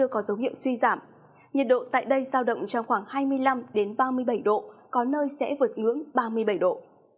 có dấu hiệu suy giảm nhiệt độ tại đây giao động trong khoảng hai mươi năm ba mươi bảy độ có nơi sẽ vượt ngưỡng ba mươi bảy độ